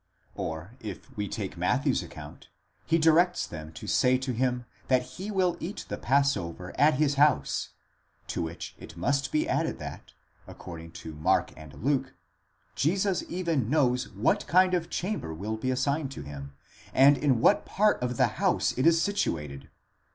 or, if we take Matthew's account, he directs them to say to him that he will eat the passover at his house; to which it must be added that, according to Mark and Luke, Jesus even knows what kind of chamber will be assigned him, and in what part of the house it is situated.